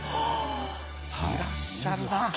いらっしゃるなあ。